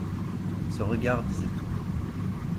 Ce regard disait tout.